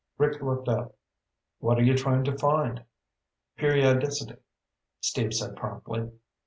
Rick looked up. "What are you trying to find?" "Periodicity," Steve said promptly.